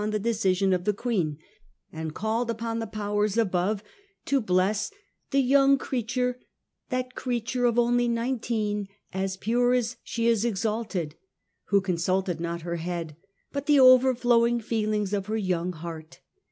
135 the decision of the Queen, and called upon the Powers above to bless 'the young creature — that creature of only nineteen, as pure as she is exalted,' who consulted not her head but ' the overflowing ' feelings of her young heart.